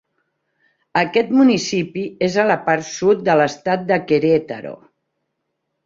Aquest municipi és a la part sud de l'estat de Querétaro.